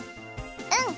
うん。